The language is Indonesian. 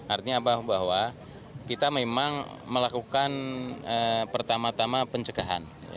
artinya apa bahwa kita memang melakukan pertama tama pencegahan